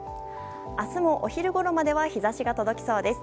明日も、お昼ごろまでは日差しが届きそうです。